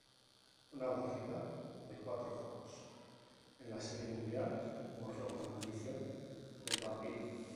Una barrida de cuatro juegos en la Serie Mundial borró la Maldición del Bambino.